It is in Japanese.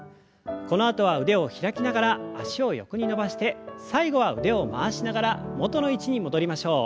このあとは腕を開きながら脚を横に伸ばして最後は腕を回しながら元の位置に戻りましょう。